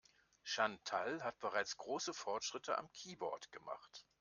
Chantal hat bereits große Fortschritte am Keyboard gemacht.